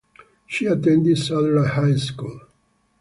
She attended Sunderland High School.